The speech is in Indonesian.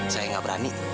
saya gak berani